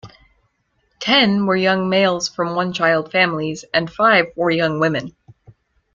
Ten were young males from one-child families and five were young women.